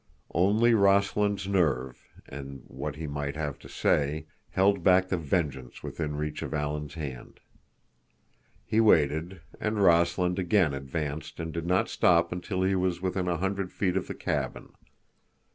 Only Rossland's nerve, and what he might have to say, held back the vengeance within reach of Alan's hand. He waited, and Rossland again advanced and did not stop until he was within a hundred feet of the cabin.